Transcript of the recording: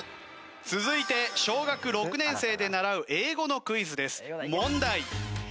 続いて小学６年生で習う英語のクイズです。